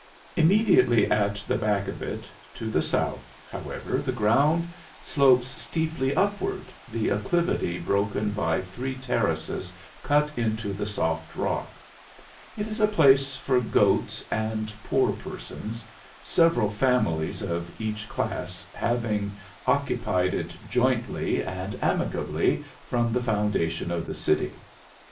Immediately at the back of it, to the south, however, the ground slopes steeply upward, the acclivity broken by three terraces cut into the soft rock. It is a place for goats and poor persons, several families of each class having occupied it jointly and amicably "from the foundation of the city."